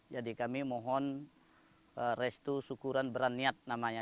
jadi kami mohon restu syukuran beraniat namanya